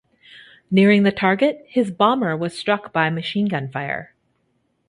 Nearing the target, his bomber was struck by machine gun fire.